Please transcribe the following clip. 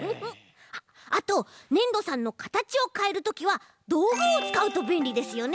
あとねんどさんのかたちをかえるときはどうぐをつかうとべんりですよね！